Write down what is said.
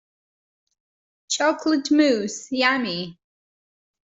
Chocolate mousse; yummy!